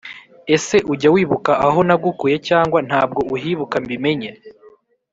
ese ujya wibuka aho nagukuye cyangwa ntabwo uhibuka mbimenye